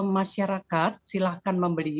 masyarakat silahkan membeli